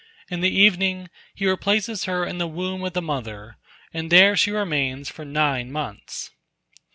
In the evening, he replaces her in the womb of the mother, and there she remains for nine months.